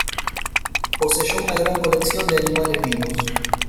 Poseyó una gran colección de animales vivos.